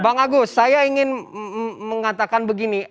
bang agus saya ingin mengatakan begini